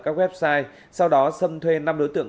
các website sau đó xâm thuê năm đối tượng